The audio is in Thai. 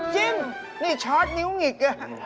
จริงนี่ชอตนิ้วหงิก